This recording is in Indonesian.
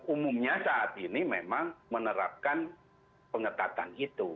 umumnya saat ini memang menerapkan pengetatan itu